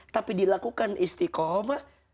tapi dilakukan istiqomah